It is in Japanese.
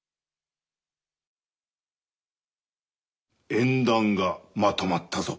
縁談がまとまったぞ。